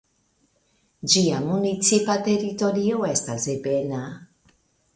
Ĝia municipa teritorio estas ebena.